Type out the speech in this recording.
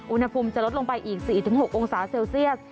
อุณหภูมิจะลดลงไปอีก๔๖องศาเซลเซียส